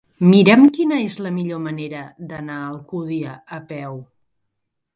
Mira'm quina és la millor manera d'anar a Alcúdia a peu.